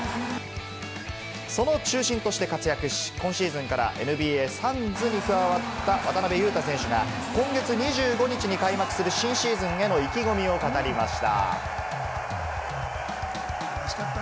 その中心として活躍し、今シーズンからＮＢＡ・サンズに加わった渡邊雄太選手が、今月２５日に開幕する新シーズンへの意気込みを語りました。